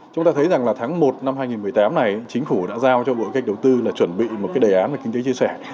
chúng ta thấy rằng tháng một năm hai nghìn một mươi tám này chính phủ đã giao cho bộ kinh tế đầu tư chuẩn bị một đề án về kinh tế chia sẻ